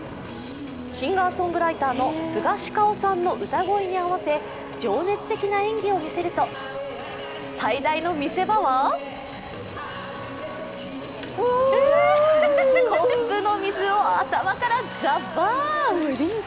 シンガーソングライターのスガシカオさんの歌声に合わせ、情熱的な演技を見せると最大の見せ場はコップの水を頭からザッバーン。